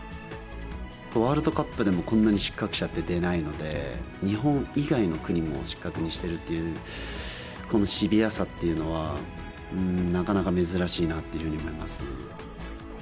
ワールドカップでもこんなに失格者って出ないので、日本以外の国も失格にしているというこのシビアさっていうのは、なかなか珍しいなっていうふうに思いますね。